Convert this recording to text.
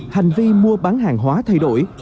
hành vi mua bán hàng hóa thay đổi